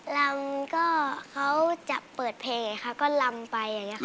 ลำก็เขาจะเปิดเพลงค่ะก็ลำไปอย่างนี้ค่ะ